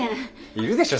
いるでしょ？